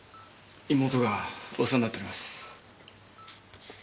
妹がお世話になっております。